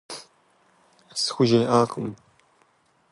СхужеӀакъым.